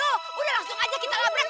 udah langsung aja kita labrak